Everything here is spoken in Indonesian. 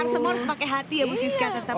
semua harus pakai hati ya bu siska tetap